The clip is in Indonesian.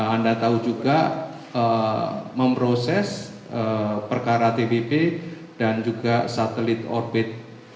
anda tahu juga memproses perkara tpp dan juga satelit orbit satu ratus dua puluh tiga